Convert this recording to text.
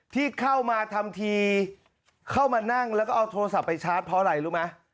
ที่เข้ามาทำทีเข้ามานั่งแล้วก็เอาโทรศัพท์ไปชาร์จเพราะอะไรรู้ไหม